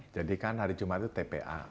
jadi kan hari jumat itu tpa